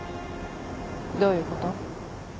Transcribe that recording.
どういうこと？